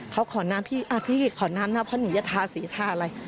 เขาขอน้ำพี่อ้าวพี่ขอน้ำน้ำเพราะหนึ่งยะทาสียะทาอะไร